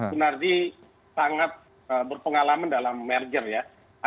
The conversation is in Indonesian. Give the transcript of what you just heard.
benar di sangat berpengalaman dalam merger ya